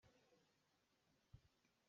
Na biachim bang cang tuah.